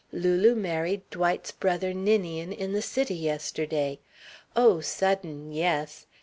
Lulu married Dwight's brother Ninian in the city yesterday. Oh, sudden, yes!